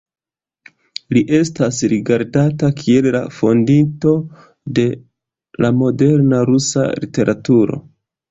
Li estas rigardata kiel la fondinto de la moderna rusa literaturo.